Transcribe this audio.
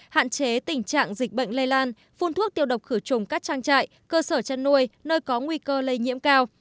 hạn chế tình trạng dịch bệnh lây lan phun thuốc tiêu độc khử trùng các trang trại cơ sở chăn nuôi nơi có nguy cơ lây nhiễm cao